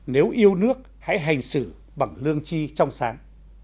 nếu yêu nước hãy hành xử bằng lương chi trong sáng